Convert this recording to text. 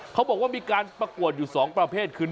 เขาบอกว่ามีการประกวดอยู่๒ประเภทคือ